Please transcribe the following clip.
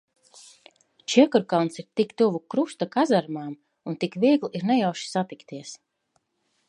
Čiekurkalns ir tik tuvu Krusta kazarmām, un tik viegli ir nejauši satikties.